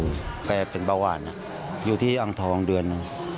เป็นพระครูแกเป็นประวัติอยู่ที่อังทองเดือน